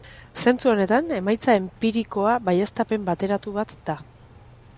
Zentzu honetan, emaitza enpirikoa baieztapen bateratu bat da.